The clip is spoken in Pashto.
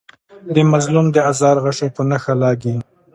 د مظلوم د آزار غشی په نښه لګي.